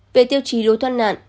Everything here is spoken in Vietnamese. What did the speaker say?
về tiêu chí đối thoát nạn